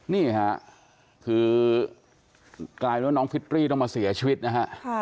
นี่ค่ะคือกลายเป็นว่าน้องฟิตรี่ต้องมาเสียชีวิตนะฮะ